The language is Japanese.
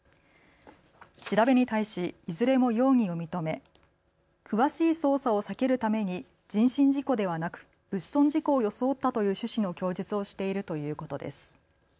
調べに対しいずれも容疑を認め詳しい捜査を避けるために人身事故ではなく物損事故を装ったという趣旨の供述をしているということです。